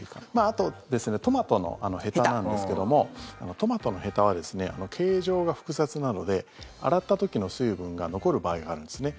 あとトマトのへたなんですけどもトマトのへたは形状が複雑なので洗った時の水分が残る場合があるんですね。